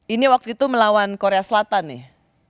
ini waktu itu melawan korea selatan nih